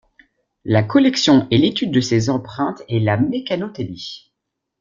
La collection et l'étude de ces empreintes est la mécanotélie.